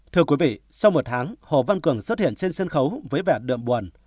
thưa quý vị sau một tháng hồ văn cường xuất hiện trên sân khấu với vẻ đượm buồn